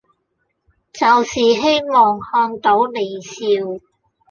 就是希望看到你笑